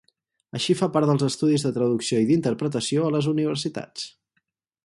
Així fa part dels estudis de traducció i d'interpretació a les universitats.